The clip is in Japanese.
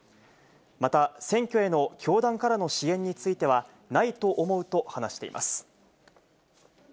また、選挙への教団からの支援については、ないと思うと話しています。